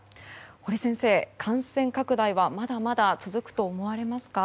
堀先生、感染拡大はまだまだ続くと思われますか。